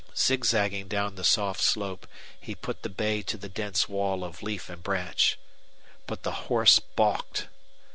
Zigzagging down the soft slope, he put the bay to the dense wall of leaf and branch. But the horse balked.